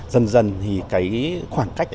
dần dần thì cái khoảng cách